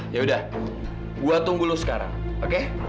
yaudah gue tunggu lo sekarang oke